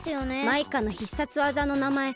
マイカの必殺技のなまえ